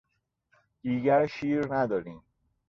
دیگر شیر نداریم.